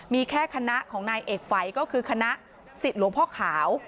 มีแค่คณะของนายเอกฝัยก็คือคณะสิทธิ์หลวงพ่อขาว